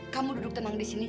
kamu duduk tenang disini